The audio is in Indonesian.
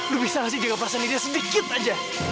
lu bisa gak sih jaga perasaan dirinya sedikit aja